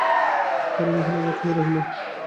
হরিমোহিনী অবাক হইয়া রহিলেন।